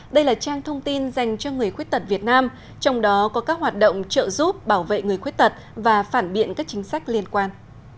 đây là trang thông tin dành cho người khuyết tật việt nam trong đó có các hoạt động trợ giúp bảo vệ người khuyết tật và phản biện các chính sách liên quan